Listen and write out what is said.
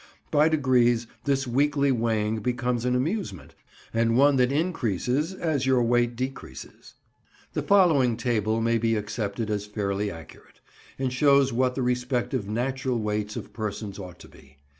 By degrees this weekly weighing becomes an amusement, and one that increases as your weight decreases. The following table may be accepted as fairly accurate, and shows what the respective natural weights of persons ought to be.